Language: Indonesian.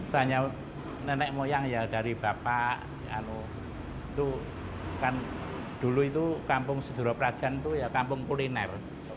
tanya nenek moyang ya dari bapak dulu itu kampung sudiro prajan itu kampung kuliner